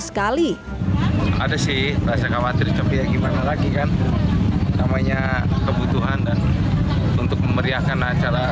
sekali ada sih rasa khawatir tapi gimana lagi kan namanya kebutuhan dan untuk memeriahkan acara